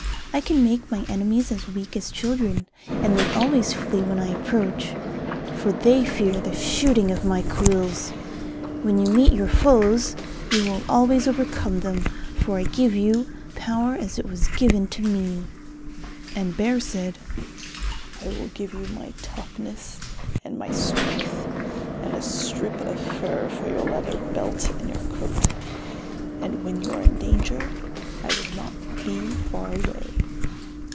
I can make my enemies as weak as children, and they always flee when I approach, for they fear the shooting of my quills. When you meet your foes you will always overcome them, for I give you power as it was given to me." And Bear said, "I will give you my toughness and my strength, and a strip of fur for your leather belt and your coat. And when you are in danger, I will not be far away."